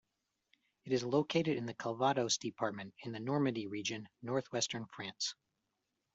It is located in the Calvados department, in the Normandy region, northwestern France.